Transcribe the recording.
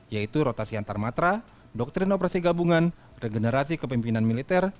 yaitu rotasi antarmatra doktrin operasi gabungan regenerasi kepimpinan militer